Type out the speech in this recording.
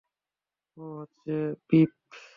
ও হচ্ছে পিপ।